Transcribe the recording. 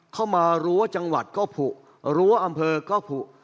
เข้ามารั้วจังหวัดก็ผุรั้วอำเภอก็ผูก